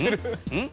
うん？